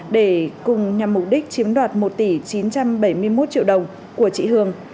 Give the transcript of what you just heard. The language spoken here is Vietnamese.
để cùng nhằm mục đích chiếm đoạt một tỷ chín trăm bảy mươi một triệu đồng của chị hường